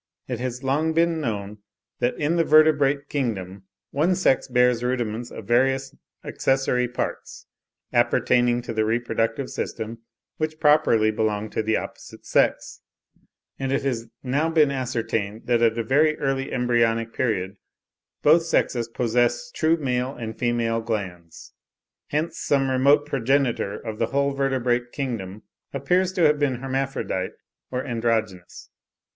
It has long been known that in the vertebrate kingdom one sex bears rudiments of various accessory parts, appertaining to the reproductive system, which properly belong to the opposite sex; and it has now been ascertained that at a very early embryonic period both sexes possess true male and female glands. Hence some remote progenitor of the whole vertebrate kingdom appears to have been hermaphrodite or androgynous.